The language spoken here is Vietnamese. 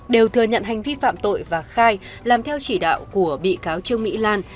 đều thừa nhận hành vi phạm tội và khai làm theo chỉ đạo của bị cáo trương mỹ lan